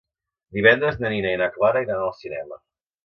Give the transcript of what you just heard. Divendres na Nina i na Clara iran al cinema.